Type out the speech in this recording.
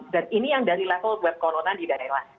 dan ini yang dari level web corona di daerah